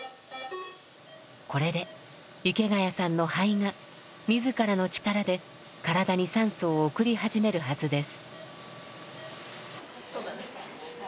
これで池谷さんの肺が自らの力で体に酸素を送り始めるはずです。